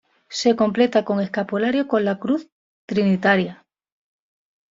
Se completa con escapulario con la cruz trinitaria.